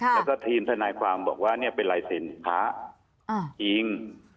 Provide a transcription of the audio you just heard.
แล้วก็ทีมทนายความบอกว่าเนี่ยเป็นลายเซ็นต์พระจริง